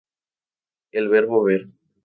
El verbo "ver".